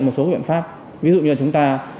một số các biện pháp ví dụ như là chúng ta